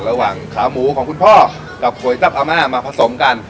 ระหว่างขาหมูของคุณพ่อกับก๋วยจับอาม่ามาผสมกัน